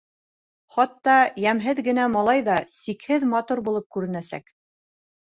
Хатта йәмһеҙ генә малай ҙа сикһеҙ матур булып күренәсәк.